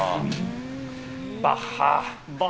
バッハ。